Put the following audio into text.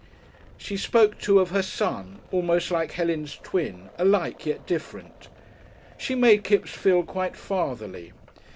She spoke, too, of her son almost like Helen's twin alike, yet different. She made Kipps feel quite fatherly.